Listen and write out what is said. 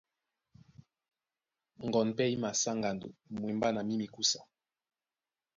Ŋgoɔn pɛ́ í masá ŋgando mwembá na mí mikúsa.